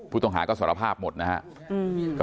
ผู้ต้องหาก็สารภาพหมดนะครับ